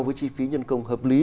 với chi phí nhân công hợp lý